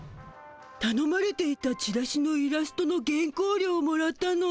たのまれていたチラシのイラストの原こうりょうをもらったの。